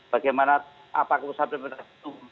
bagaimana apa keusahabatan mereka